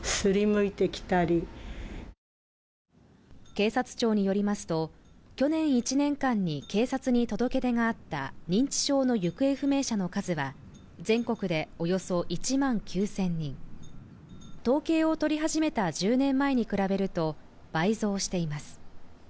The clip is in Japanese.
警察庁によりますと去年１年間に警察に届け出があった認知症の行方不明者の数は全国でおよそ１万９０００人統計を取り始めた１０年前に比べると倍増しています